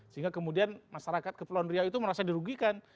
sehingga kemudian masyarakat kepulauan riau itu merasa dirugikan